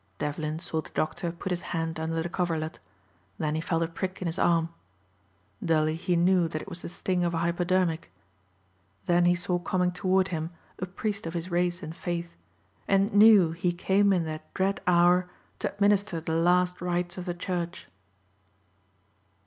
Devlin saw the doctor put his hand under the coverlet; then he felt a prick in his arm. Dully he knew that it was the sting of a hypodermic. Then he saw coming toward him a priest of his race and faith and knew he came in that dread hour to administer the last rites of the church.